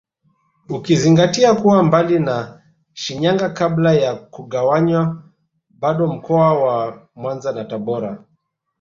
Ukizingatia kuwa mbali na Shinyanga kabla ya kugawanywa bado mkoa wa Mwanza na Tabora